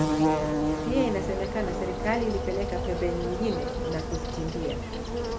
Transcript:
Pia inasemekana serikali ilipeleka pembe nyingine na kuzichimbia